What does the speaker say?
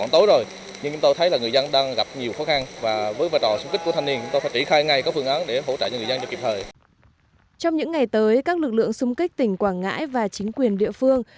trong những ngày tới các lực lượng xung kích tỉnh quảng ngãi và chính quyền địa phương